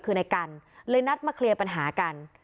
คือในกันเลยนัดมาเคลียร์ปัญหากัน